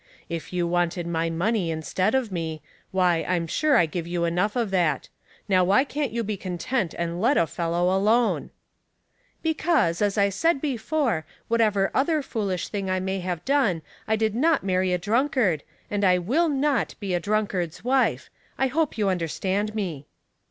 If you wanted my money instead of me, why, I'm sure I give you enough of that. Now why can't you be content and let a fellow alone ?"" Because, as I said before, whatever other foolish thing I may have done, I did not marry a drunkard, and I will not be a drunkard's wife. I hope you understand me."